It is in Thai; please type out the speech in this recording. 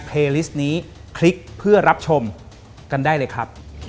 ขอบคุณนะครับครับคุณค่ะ